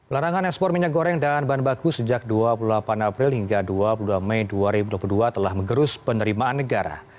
larangan ekspor minyak goreng dan bahan baku sejak dua puluh delapan april hingga dua puluh dua mei dua ribu dua puluh dua telah mengerus penerimaan negara